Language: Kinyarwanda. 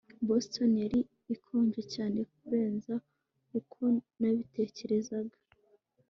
Boston yari ikonje cyane kurenza uko nabitekerezaga